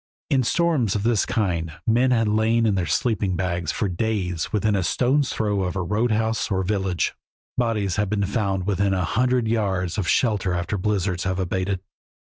In storms of this kind men have lain in their sleeping bags for days within a stone's throw of a road house or village. Bodies have been found within a hundred yards of shelter after blizzards have abated.